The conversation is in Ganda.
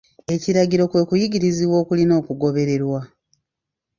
Ekiragiro kwe kuyigirizibwa okulina okugobererwa.